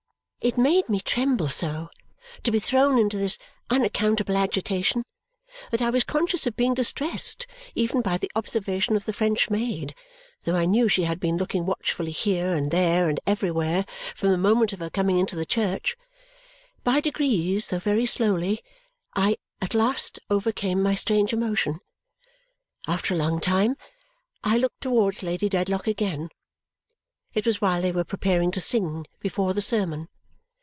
It made me tremble so to be thrown into this unaccountable agitation that I was conscious of being distressed even by the observation of the French maid, though I knew she had been looking watchfully here, and there, and everywhere, from the moment of her coming into the church. By degrees, though very slowly, I at last overcame my strange emotion. After a long time, I looked towards Lady Dedlock again. It was while they were preparing to sing, before the sermon.